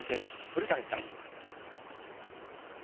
古谷さん。